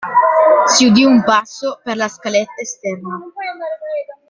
S'udì un passo per la scaletta esterna.